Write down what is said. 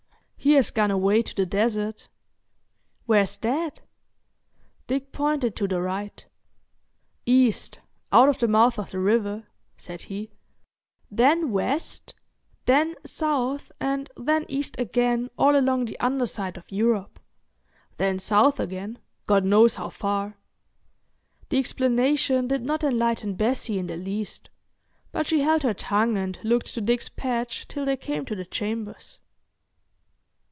"He has gone away to the desert." "Where's that?" Dick pointed to the right. "East—out of the mouth of the river," said he. "Then west, then south, and then east again, all along the under side of Europe. Then south again, God knows how far." The explanation did not enlighten Bessie in the least, but she held her tongue and looked to Dick's path till they came to the chambers.